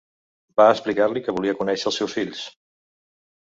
Va explicar-li que volia conèixer els seus fills.